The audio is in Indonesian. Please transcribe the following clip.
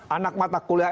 anak mata kuliah